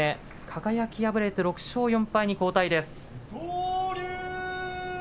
輝は負けて６勝４敗と後退です。